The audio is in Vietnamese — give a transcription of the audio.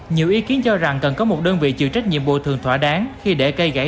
nhiều ý kiến cho rằng cần có một đơn vị chịu trách nhiệm bồi thường thỏa đáng khi để gây gãy